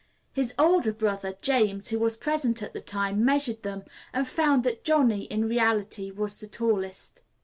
His older brother, James, who was present at the time, measured them, and found that Johnny in reality was the tallest.